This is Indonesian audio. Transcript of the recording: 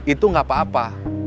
itu gak apa apa